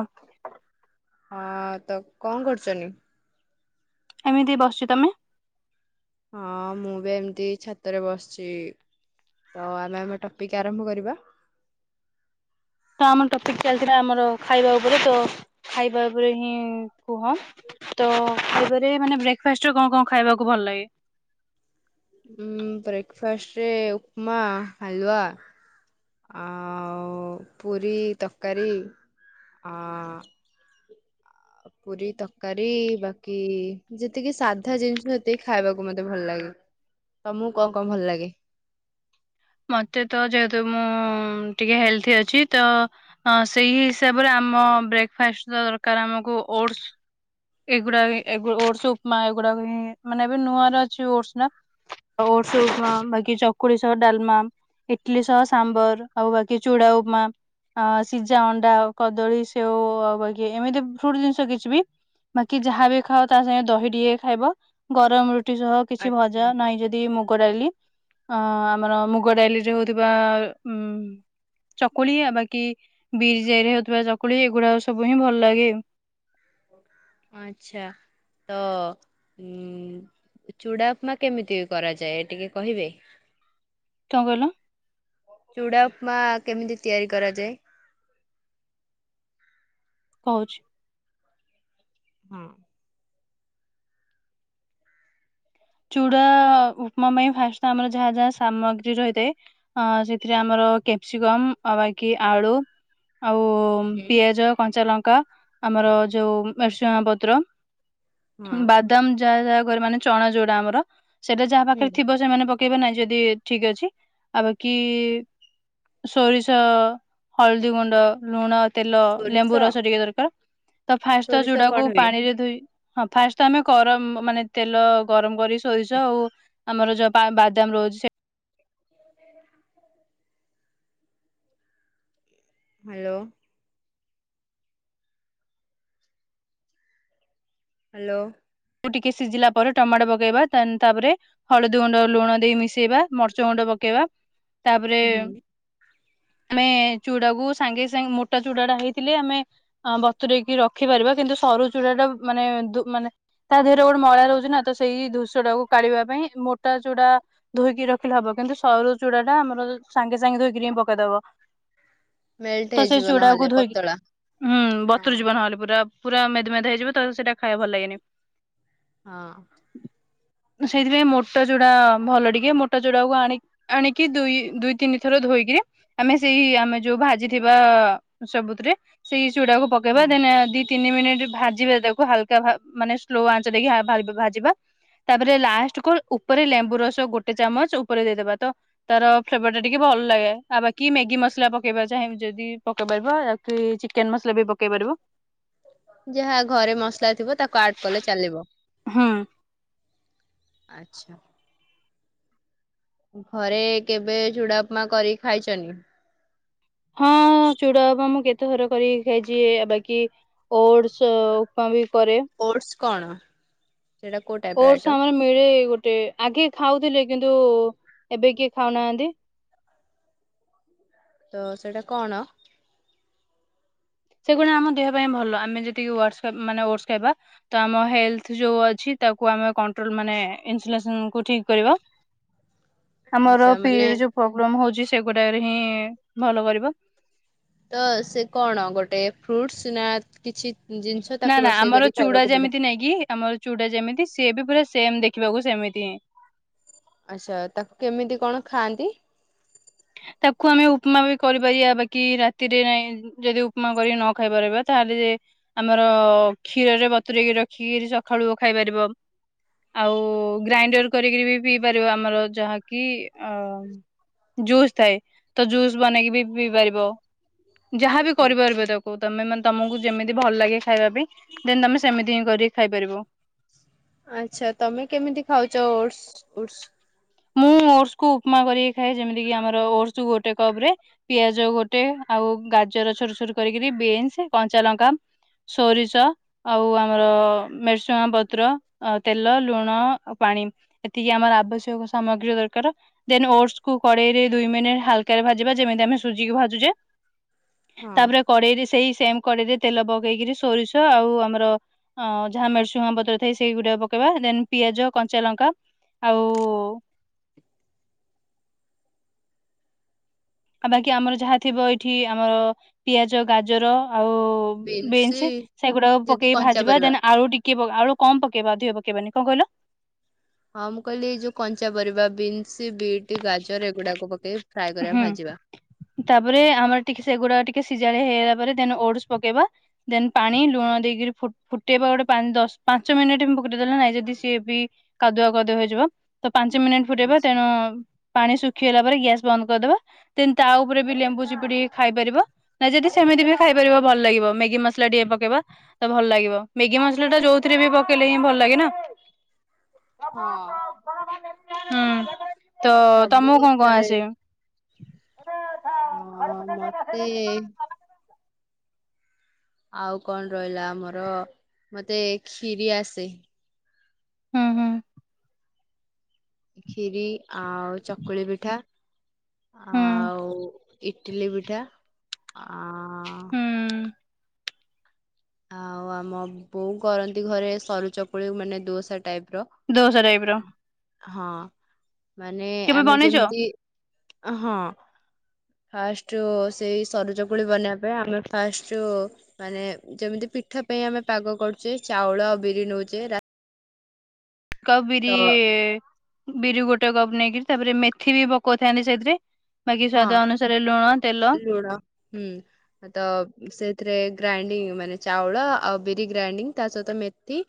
ଆପ ହଁ ତ କ କରଚନ୍ତି? ଏମିତି ବସିଛି ତମେ? ହଁ ମୁଁ ବି ଏମିତି ଛାତରେ ବସଚିି। ତ ଆମେ ଆମେ ଟପିକ୍ ଆରମ୍ଭ କରିବା? ତ ଆମ ଟପିକ ଚାଲିଥିଲା ଆମର ଖାଇବା ଉପରେ ତ ଖାଇବା ଉପରେ ହିଁ କୁହ? ତ କହିପାରିବେ ମାନେ ବ୍ରେକଫାଷ୍ଟ ରେ କଣ କଣ ଖାଇବାକୁ ଭଲ ଲାଗେ? ଉଁ ବ୍ରେକଫାଷ୍ଟ ଉପମା ହାଲୱା ଆଉ ପୁରୀ ତକାରୀ ଆ ପୁରୀ ତକାରୀ ବାକି ଯେତିକି ସାଧା ଜିନିଷ ସେତିକି ଖାଇବାକୁ ମତେ ଭଲ ଲାଗେ। ତମକୁ କଣ କଣ ଭଲ ଲାଗେ? ମତେ ତ ଯେହେତୁ ମୁଁ ଟିକେ ହେଲ୍ଥୀ ଅଛି ତ ହ ସେଇ ହିସାବରେ ଆମ ବ୍ରେକ୍ଫାଷ୍ଟ ତ ଦରକାର ଆମକୁ ଓଟସ। ଏଗୁଡା ଏ ଏଗୁ ଓଟସ୍ ଉପମା ଏଗୁଡା ମାନେ ଏବେ ନୂଆ ର ଅଛି ଓଟସ ନା? ଓଟସ୍ ଉପମା ବାକି ଚକୁଳି ସହ ଡାଲମା ଇଟଲି ସହ ସାମ୍ବର ଆଉ ବାକି ଚୁଡା ଉପମା ଆ ସିଜା ଅଣ୍ଡା କଦଳୀ ସେଉ ଆ ବାକି ଏମିତି ଫ୍ରୁଟ ଜିନିଷ କିଛି ବି ବାକି ଯାହା ବିି ଖାଅ ତା ସାଙ୍ଗେ ଦହି ଟିଏ ଖାଇବ ଗରମ ରୁଟି ସହ କିଛି ଆଚ୍ଛା ଭଜା ନହିଁ ଯଦି ମ କୋରାଲି ଆ ଆମର ମୁଗ ଡାଲି ଯୋଉଥିବା ଉ ଚକୁଳି ଅ ବାକି ବିର୍ ଜାଇ ରେ ହଉଥିବା ଚକୁଳି ଏଗୁଡା ସବୁ ହିଁ ଭଲ ଲାଗେ। ଆଚ୍ଛା ତ ଉଁ ଚୂଡ଼ା ଉପମା କେମିତି କରାଯାଏ ଟିକେ କହିବେ? ଟ କଲ ଚୁଡ଼ା ଉପମା କେମିତି ତିଆରି କରାଯାଏ? କହୁଛି। ହୁଁ। ଚୁଡା ଉପମା ପାଇଁ ଫାଷ୍ଟ ଆମର ଯାହା ଯାହା ସାମଗ୍ରୀ ରହିଥାଏ ଅ ସେଥିରେ ଆମର କ୍ୟାପ୍ସିକମ, ବାକି ଆଳୁ ଆଉ ହୁଁ ପିଆଜ କଞ୍ଚା ଲଙ୍କା ଆମର ଯୋଉ ଭ୍ରେସୁଙ୍ଗାପତ୍ର ହଁ। ବାଦାମ ଯାହା ଯାହା କ ମାନେ ଚଣା ଯୋଉଟା ଆମର ସେଇଟା ଯାହା ପାଖରେ ହୁଁ ଥିବ ସେମାନେ ପକେଇବନା ଯଦି ଠିକ୍ ଅଛି। ଆଉ ବାକି ସୋରିଷ, ହଳଦୀ ଗୁଣ୍ଡ, ଲୁଣ, ତେଲ, ସୋରିଷ ଲେମ୍ବୁ ରସ ଟିକେ ଦରକାର। ତ ଫାଷ୍ଟ ତ ସୋରିଷ କଣ ଚୁଡାକୁ ହୁଏ? ପାଣିରେ ଧୋଇ, ହଁ ଫାଷ୍ଟ ଆମେ ଗରମ ମାନେ ତେଲ ଗରମ କରି ସରିସ ଆଉ ଆମର ଯୋଉ ବା-ବାଦାମ ରହୁଛି ସେ ହାଲୋ। ହାଲୋ। ତାକୁ ଟିକେ ସିଝିଲା ପରେ ଟମାଟୋ ପକେଇବା ଦେନ୍ ତାପରେ ହଳଦୀ ଗୁଣ୍ଡ ଲୁଣ ଦେଇ ମିଶେଇବା, ମର୍ଚ ଗୁଣ୍ଡ ପକେଇବା ତାପରେ ହୁଁ। ଆମେ ଚୁଡା କୁ ସାଙ୍ଗେ ସାଙ୍ଗ ମୋଟା ଚୁଡା ଟା ହେଇଥିଲେ ଆମେ ଆ ବତୁରେଇକି ରଖିପାରିବା କିନ୍ତୁ ସରୁ ଚୂଡ଼ା ଟା ମାନେ ଧୋ-ମାନେ ତା ଦେହରେ ଗୋଟେ ମଇଳା ରହୁଛି ନା ତ ସେଇ ଧ୍ରୁଶ୍ୟ ଟାକୁ କାଢିବା ପାଇଁ ମୋଟା ଚୁଡା ଧୋଇକି ରଖିଲେ ହବ, କିନ୍ତୁ ସରୁ ଚୁଡା ଟା ଆମର ସାଙ୍ଗେ ସାଙ୍ଗେ ଧୋଇକିରି ହିଁ ପକେଇଦବ। ମେଲ୍ଟ ତ ସେଇ ହେଇଯିବ ଚୁଡାକୁ ନହେଲେ ଧୋଇକି, ପତଳା। ହୁଁ ବତ୍ରୁ ହଁ। ଜୀବ ନହେଲେ ପୁରା ପୁର ମେଦ ମେଦ ହେଇଯିବ ତ ସେଟା ଖାଇବାକୁ ଭଲ ଲାଗେନି। ହଁ। ସେଇଥିପାଇଁ ମୋଟା ଚୁଡା ଭଲ ଟିକେ, ମୋଟା ଚୁଡାକୁ ଆଣି ଆଣିକି ଦୁଇ ଦୁଇ ତିନି ଥରେ ଧୋଇକିରି ଆମେ ସେଇ ଆମେ ଯୋଉ ଭାଜିଥିବା ସବୁଥିରେ ସେଇ ଚୁଡାକୁ ପକେଇବା। ଡେନ୍ ଦି ତିନି ମିନିଟ୍ ଭାଜିବା ତାକୁ ହାଲକା ଭା- ମାନେ ସ୍ଲୋ ଆଞ୍ଚ ଦେଇ ଅଳ୍ପ ଅଳ୍ପ ଭାଜିବା। ତାପରେ ଲାଷ୍ଟ କୁ ଉପରେ ଲେମ୍ବୁ ରସ ଗୋଟେ ଚାମଚ ଉପରେ ଦେଇଦବା ତ ତାର ଫ୍ଲେଭର ଟା ଟିକେ ଭଲ୍ ଲାଗେ ଆଉ ବାକି ମ୍ୟାଗି ମସଲା ପକେଇବା ଚାହିଁବେ ଯଦି ପକେଇ ପାରିବା। କି ଚିକେନ୍ ମସଲା ବି ପକେଇ ପାରିବ। ଯାହା ଘରେ ମସଲା ଥିବ ତାକୁ ଆଡ୍ କଲେ ଚାଲିବ। ହୁଁ ଆଚ୍ଛା। ଘରେ କେବେ ଝୁଡା ଉପମା କରିି ଖାଇଛନ୍ତି? ହଁ ଚୁଡା ଉପମା ମୁଁ କେତେଥର କରିକି ଖାଇଛି। ଏ ବାକି ଓଡ୍ସ ଉପମା ବି କରେ। ଓଡ୍ସ କଣ? ସେଇଟା କୋଉ ଟାଇପ୍ ର ଓଡ୍ସ ଆଇଟମ୍ ଆମର ମିଳେ ଗୋଟେ ଆଗେ ଖାଉଥିଲେ କିନ୍ତୁ ଏବେ କିଏ ଖାଉନାହାନ୍ତି। ତ ସେଇଟା କଣ? ସେଗୁଡା ଆମ ଦେହ ପାଇଁ ଭଲ। ଆମେ ଯେତିକି ୱାର୍ଡ଼ସ ଖାଇ-ମାନେ ଓଡ୍ସ ଖାଇବା ତ ଆମ ହେଲ୍ଥ ଯୋଉ ଅଛି ତାକୁ ଆମେ କଟ୍ରୋଲ ମାନେ ଇନ୍ସ୍ ଲେସନ କୁ ଠିକ୍ କରିବା। ଆମର ଆଚ୍ଛା ମାନେ ପି-ଯୋଉ ପ୍ରୋବ୍ଲେମ ହଉଛି, ସେଗୁଡାରେ ରେ ହିଁ ଭଲ କରିବ। ତ ସେ କଣ ଗୋଟେ ଫ୍ରୁଟ୍ଶୁ ନା କିଛି ଜିନିଷ ନା ତାକୁ ନା ରୋଷେଇ ଆମର କରି ଚୁଡା ଖାଇବାକୁ ପଡେ? ଯେମିତି ନାଇଁ କି ଆମର ଚୁଡା ଯେମିତି ସିଏ ବି ପୁରା ସେମ୍ ଦେଖିବାକୁ ସେମିତି। ଆଚ୍ଛା ତାକୁ କେମିତି କଣ ଖାଆନ୍ତି? ତାକୁ ଆମେ ଉପମା ବି କରିପାରିବା ବାକି ରାତିରେ ନାଇଁ ଯଦି ଉପମା କରିକି ନ ଖାଇ ପାରିବା ତାହେଲେ ଯେ ଆମର କ୍ଷୀରରେ ବତୁରେଇକି ରଖିକି ସକାଳକୁ ଖାଇ ପାରିବ। ଆଉ ଗ୍ରାଇଣ୍ଡର କରିକି ବି ପିଇ ପାରିବ ଆମର ଯାହାକି ଅ ଜୁସ୍ ଥାଏ ତ ଜୁସ୍ ବନେଇକି ବି ପିଇ ପାରିବ ଯାହାବି ଆଚ୍ଛା। କରିପାରିବେ ତାକୁ। ତମେ ମାନେ ତମକୁ ଯେମିତି ଭଲ ଲାଗେ ଖାଇବା ପାଇଁ ଦେନ୍ ତମେ ସେମିତି ହିଁ କରିକି ଖାଇ ପାରିବ। ଆଚ୍ଛା ତମେ କେମିତି ଖାଉଛ ଓଡସ୍ ଓଡସ୍? ମୁଁ ଓଟସ କୁ ଉପମା କରିକି ଖାଏ ଯେମିତି କି ଆମର ଓଡସ କୁ ଗୋଟେ କପ ରେ ପିଆଜ ଗୋଟେ ଆଉ ଗାଜର ଛୋଟ ଛୋଟ କରିକିରି ବିନ୍ସ, କଞ୍ଚା ଲଙ୍କା। ସୋରିସ। ଆଉ ଆମର ମେରସୁଙ୍ଗା ପତ୍ର ଆ ତେଲ, ଲୁଣ ଆଉ ପାଣି। ଏତିକି ଆମର ଆବଶ୍ୟକ ସାମଗ୍ରୀ ଦରକାର। ଦେନ୍ ଓଡସ କୁୁ କଡେଇରେ ଦୁଇ ମିନିଟ ହାଲକାରେ ଭାଜିବା ଯେମିତି ଆମେ ସୁଜିକୁ ଭାଜୁଚେ। ହଁ। ତାପରେ କଡେଇରେ ସେଇ ସେମ କଡେଇରେ ତେଲ ପକେଇକିରି ସୋରିଷ ଆଉ ଆମର ଆ ଯାହା ମେରସିଙ୍ଗ ପତ୍ର ଥାଏ ସେଇଗୁଡା ପକେଇବା ଦେନ ପିଆଜ, କଞ୍ଚା ଲଙ୍କା। ଆଉ। ଆଉ ବାକି ଆମର ଯାହା ଥିବ ଏଇଠି ଆମର ପିଆଜ, ଗାଜର ଆଉ ବିନ୍ସି ବିନ୍ସ ସେଗୁଡାକ ଯଦି ପକେଇକି କଞ୍ଚା ଭାଜିବା ପରିବା ଦେନ୍ ଆଳୁ ଟିକେ କେବ ଆଳୁ କମ ପକେଇବ ଅଧିକ ପକେଇବନି କଣ କହିଲ? ହଁ ମୁଁ କହିଲି ଏଇ ଯୋଉ କଞ୍ଚା ପରିବା ବିନ୍ସ, ବିଟ୍, ଗାଜର ଏଗୁଡାକୁ ପକେଇବେ ଫ୍ରାଏ କରିବା ହୁଁ ଭାଜିବା। ତାପରେ ଆମର ଟିକେ ସେଗୁଡା ଟିକେ ସିଝାଳି ହେଇଗଲା ପରେ ଦେନ୍ ଓଡସ ପକେଇବା। ଦେନ ପାଣି ଲୁଣ ଦେଇକି ଫୁ ଫୁଟେଇବା ଗୋଟେ ପାନ୍ ଦଶ ପାଞ୍ଚ ମିନିଟ ପୁ ଦେଲା ନାଇଁ ଯଦି ସିଏ ବି କାଦୁଆ କଦୁଆ ହେଇଯିବ ତ ପାଞ୍ଚ ମିନିଟ ହଁ ଫୁଟେଇବା ତେଣୁ ପାଣି ଶୁଖିଗଲା ପରେ ଗ୍ୟାସ୍ ବନ୍ଦ କରିଦବା ଦେନ୍ ତା ଉପରେ ବି ଲେମ୍ବୁ ଚିପୁଡିକି ଖାଇପାରିବ। ନା ଯଦି ସେମିତି ବି ଖାଇପାରିବ ଭଲ ଲାଗିବ ମ୍ୟାଗି ମସଲା ଟିକେ ପକେଇବ। ତ ଭଲ ଲାଗିବ ମ୍ୟାଗି ମସଲା ଟା ଯୋଉଥିରେ ବି ପକେଇଲେ ହିଁ ଭଲ ଲାଗେ ନା। ହଁ। ହୁଁ ତ ତମକୁ କଣ କଣ ସବୁଥରେ ଆସେ? ହଁ ମତେ ଆଉ କଣ ରହିଲା ଆମର ମତେ କ୍ଷୀରି ଆସେ। ହୁଁ ହୁଁ। କ୍ଷୀରି ଆଉ ଚକୁଳି ପିଠା। ହୁଁ ଆଉ ଇଟିଲି ପିଠା ଆ ହୁଁ ଆଉ ଆମ ବୋଉ କରନ୍ତି ଘରେ ସରୁ ଚକୁଳି ମାନେ ଦୋସା ଟାଇପର। ଦୋସା ଟାଇପର। ହଁ ମାନେ କେବେ ଆମେ ବନେଇଛ? ଯେମିତି ହଁ। ଫାଷ୍ଟରୁ ସେଇ ସରୁଜ ଗୋଳି ବନେଇବା ପାଇଁ ଆମେ ଫାଷ୍ଟରୁ ମାନେ ଯେମିତି ପିଠା ପାଇଁ ଆମେ ପାଗ କରୁଛେ ଚାଉଳ ଆ ବିରି ନେଉଛେ ରା କପ୍ ବିରି ତ ବିରି ଗୋଟେ କପ୍ ନେଇକିରି ତାପରେ ମେଥି ବି ପକଉଥାନ୍ତି ସେଇଥିରେ। ହଁ ଲୁଣ ହୁଁ ତ ସେଥିରେ ଗ୍ରାଇଣ୍ଡିଙ୍ଗ ମାନେ ଚାଉଳ ଆଉ ବିରି ଗ୍ରାଇଣ୍ଡିଙ୍ଗ ତା ସହିତ ମେଥି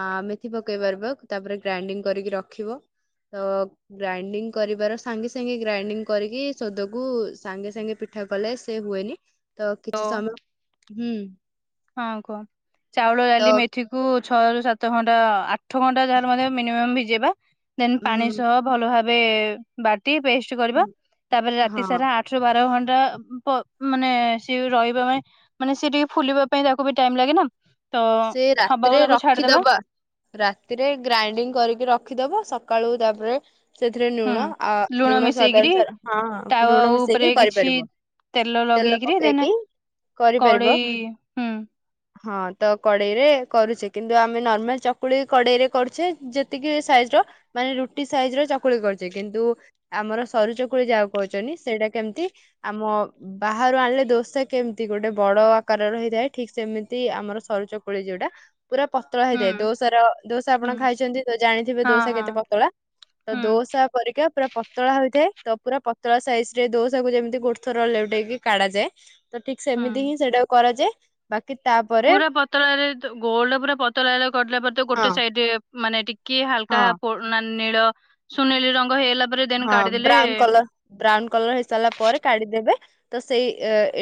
ଆ ଆମେଥି ପକେଇ ପାରିବା ତାପରେ ଗ୍ରାଇଣ୍ଡିଙ୍ଗ କରିକି ରଖିବ। ତ ଗ୍ରାଇଣ୍ଡିଙ୍ଗ କରିବାର ସାଙ୍ଗେ ସାଙ୍ଗେ ଗ୍ରାଇଣ୍ଡିଙ୍ଗ କରିକି ସଦକୁ ସାଙ୍ଗେ ସାଙ୍ଗେ ପିଠା କଲେ ସେ ହୁଏନି ତ ଓ କିଛି ସମୟ ହୁଁ ହଁ କୁହ ଚାଉଳ ତ ଡାଲି ମେ ଥି କୁ ଛଅ ରୁ ସାତ ଘଣ୍ଟା ଆଠ ଘଣ୍ଟା ଯାହେଲେ ମଧ୍ୟ ମିନିମମ୍ ଭିଜେଇବା ଦେନ୍ ପାଣି ଉଁ ସହ ଭଲ ଭାବେ ବାଟି ପେଷ୍ଟ କରିବା ହୁଁ, ତାପରେ ରାତି ହଁ ସାରା ଆ ଠରୁ ବାର ଘଣ୍ଟା ପ ମାନେ ସିଏ ରହିବା ପାଇଁ ମାନେ ସେ ଟିକେ ଫୁଲିବା ପାଇଁ ତାକୁ ବି ଟାଇମ ଲାଗେ ନା। ତ ସେ ହବାକୁ ରାତିରେ ତାକୁ ଛାଡିଦବା ରଖିଦବା। ରାତିରେ ଗ୍ରାଇଣ୍ଡିଙ୍ଗ କରିକି ରଖିଦବ ସକାଳୁ ତାପରେ ସେଥିରେ ହୁଁ ଲୁଣ ଆ ଲୁଣ ସ୍ୱାଦ ଅନୁସାରେ ହଁ ହଁ ତାୱା ଲୁଣ ଉପରେ ମିଶେଇକି କିଛି କରିପାରିବ। ତେଲ ଲଗେଇକିରି ଦେନ୍ ପକେଇକି କରିପାରିବ କଡେଇ ହୁଁ ହଁ। ତ କଡ଼େଇରେ କରୁଛେ କିନ୍ତୁ ଆମେ ନର୍ମାଲ ଚକୁଳି କଡ଼େଇରେ କରୁଛେ ଯେତିକି ସାଇଜ୍ର ମାନେ ରୁଟି ସାଇଜ ର ଚକୁଳି କରିଛେ କିନ୍ତୁ ଆମର ସରୁଚକୁଳି ଯାହା କହୁଛନ୍ତି ସେଇଟା କେମିତି ଆମ ବାହାରୁ ଆଣିଲେ ଦୋସା କେମିତି ଗୋଟେ ବଡ ଆକାର ର ହେଇଥାଏ ଠିକ ସେମିତି ଆମର ସରୁ ଚକୁଳି ଯୋଉଟା, ପୁରା ପତଳା ହୁଁ ହେଇଥାଏ ଦୋସାର ଦୋସା ହୁଁ ଆପଣ ଖାଇଛନ୍ତି ଜାଣିଥିବେ ହଁ ଦୋସା ହଁ କେତେ ପତଳା। ତ ହୁଁ ଦୋସା [inaudible] ପରିକା ପୁରା ପତଳା ହୋଇଥାଏ ତ ପୁରା ପତଳା ସାଇଜ ରେ ଦୋସୁ ଯେମିତି ଗୋଡ ଥରହ ଉଟେଇକି କାଢାଯାଏ। ତ ଠିକ ସେମିତି ହୁଁ। ହିଁ ସେଇଟାକୁ କରାଯାଏ। ବାକି ତାପରେ ପତରେ ଗୋଲଡ ପୁରା ପତଳାିଲା ପରେ ତ ହଁ ଗୋଟେ ସାଇଡ ମାନେ ଟିକେ ହାଲକା ହଁ ନା ନୀଳ ସୁନୀଲି ରଙ୍ଗ ହେଇଗଲା ପରେ ଦେନ୍ ହଁ କାଢିଦେଲେ ବ୍ରାଉନ କଲର ବ୍ରାଉନ କଲର ହେଇସାରିଲା ପରେ କାଢିଦେବେ। ତ ସେଇ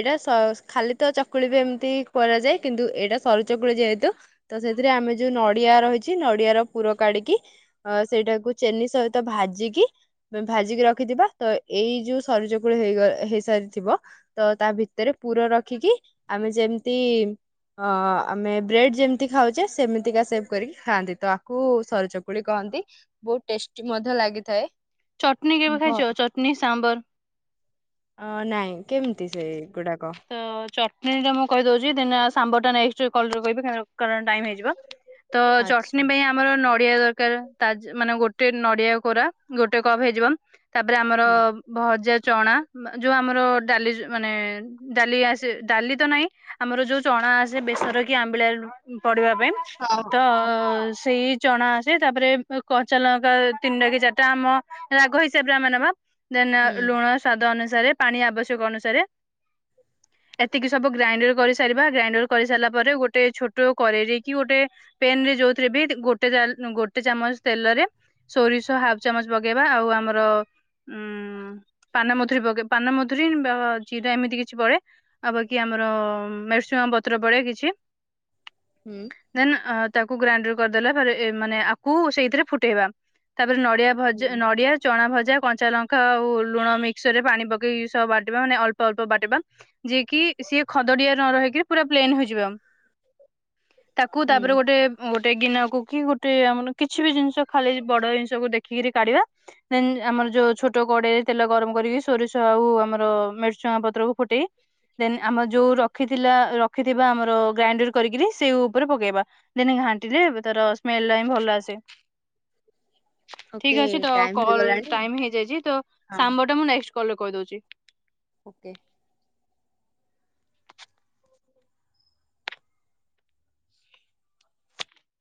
ଏଇଟା ଖାଲି ତ ଚକୁଳି ବି ଏମିତି କରାଯାଏ କିନ୍ତୁ ଏଇଟା ସରୁ ଚକୁଳି ଯେହେତୁ ତ ସେଥିରେ ଆମେ ଯୋଉ ନଡିଆ ରହିଛି ନଡିଆ ର ପୁର କାଢିକି, ଅ ସେଇଟାକୁ ଚେନି ସହିତ ଭାଜିକି ଭାଜିକି ରଖିଥିବା ତ ଏଇ ଯୋଉ ସରଜ କୂଳ ହେଇଗ ହେଇସାରିଥିବ ତ ତା ଭିତରେ ପୁର ରଖିକି ଆମେ ଯେମତି ଅ ଆମେ ବ୍ରେଡ ଯେମିତି ଖାଉଛେ ସେମିତିକା ସେଭ କରିକି ଖାଆନ୍ତି ତ ଆକୁ ସରୁ ଚକୁଳି କହନ୍ତି। ବହୁତ ଟେଷ୍ଟି ମଧ୍ୟ ଲାଗିଥାଏ। ଚଟଣିୀ କେବେ ଘ ଖାଇଛ ଚଟଣିୀ ସାମ୍ବର, ଅ ନାଇଁ କେମିତି ସେଗୁଡାକ। ତ ଚଟଣୀ ଟା ମୁଁ କହିଦଉଛି ଦ ସାମ୍ବର ଟା ନ କହିବି। ହେଇଯିବ ତ ଚଟୀ ଆଚ୍ଛା ପାଇଁ, ଆମର ନଡିଆ ଦରକାର ତା ମାନେ ଗୋଟେ ନଡିଆ କୋରା ଗୋଟେ କପ୍ ହେଇଯିବ। ତାପରେ ଆମର ହୁଁ ଭଜା ଚଣା ଯୋଉ ଆମର ଡାଲି ମାନେ ଡାଲି ଆସେ ଡାଲି ତ ନହିଁ ଆମର ଯୋଉ ଚଣା ଆସେ ବେସର କି ଆମ୍ବିଳା, ପଢିବା ପାଇଁ ତ! ଅ ସେଇ ଚଣା ଆସେ ତାପରେ କଚାଲଙ୍କା ତିନିଟା କି ଚାରିଟା ଆମ ରାଗ ହିସାବରେ ଆମେ ନବା ଦେନ ହୁଁ ଲୁଣ ସ୍ଵାଦ ଅନୁସାରେ ପାଣି ଆବଶ୍ୟକ ଅନୁସାରେ। ଏତିକି ସବୁ ଗ୍ରାଇଣ୍ଡର କରିସାରିବା ଗ୍ରାଇଣ୍ଡର କରିସାରିଲା ପରେ ଗୋଟେ ଛୋଟ କରରେରୀ କି ଗୋଟେ ପେନ ରେ ଯୋଉଥିରେ ବି ଗୋଟେ ଗୋଟେ ଚାମଚ ତେଲରେ ସୋରିଷ ହାଫ ଚାମଚ ପଗେଇବା ଆଉ ଆମର ଉ ପାନ ମଧୁରୀ ପକେଇ ପାନ ମଧୁରୀ ବା ଜିରା ଏମିତି କି କିଛି ପଳେ ଆଉ ବାକି ଆମର ମେରସୁଙ୍ଗ ପତ୍ର ପଡେ କିଛି। ହୁଁ ଦେନ ତାକୁ ଗ୍ରାଇଣ୍ଡର କରିଦେଲା ପରେ ଏ ମାନେ ଆକୁ ସେଇଥିରେ ଫୁଟେଇବା ତାପରେ ନଡିଆ- ଭଜ ହୁଁ। ନଡ଼ିଆ, ଚଣା ଭଜା, କଞ୍ଚା ଲଙ୍କା, ଆଉ ଲୁଣ ମିକ୍ସର ରେ ପାଣି ପକେଇ ସବୁ ବାଟିବା ମାନେ ଅଳ୍ପ ଅଳ୍ପ ବାଟିବା। ଯିଏ କିି ସିଏ ଖଦଡିଆ ନ ରହିକିରି ପୁରା ପ୍ଲେନ ହେଇଯିବ। ତାକୁ ହୁଁ ତାପରେ ଗୋଟେ। ଗୋଟେ ଗିନକୁ କି ଗୋଟେ ଆମ କିଛି ବି ଜିନିଷ ଖାଲି ବଡ ଜିନିଷକୁ ଦେଖିକିରି କାଢିବା। ଦେନ ଆମର ଯୋଉ ଛୋଟ କଡେଇରେ ତେଲ ଗରମ କରିବି ସୋରିଷ ଆଉ ଆମର ମେରସୁଙ୍ଗ ପତ୍ରକୁ ଫୋଟେ [unintelligible] ଦେନ ଆମର ଯୋଉ ରଖିଥିଲା ରଖିଥିବା ଆମର ଗ୍ରାଇଣ୍ଡର କରିକିରି ସେଇ ଉପରେ ପକେଇବା। ଦିନେ ଘାଣ୍ଟିଲେ ତାର ସ୍ମେଲ ଟା ହ ଭଲ ଆସେ। ଓକେ ଠିକ ଅଛି ତ ଟାଇମ କଲ ହେଇଗଲାଣି ଟାଇମ ହେଇଯାଇଛି। ତ ହଁ ସାମ୍ବଟା ମୁଁ ନେଷ୍ଟ କଲରେ କହିଦଉଛି। ଓକେ।